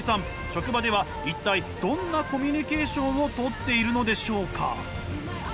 職場では一体どんなコミュニケーションをとっているのでしょうか？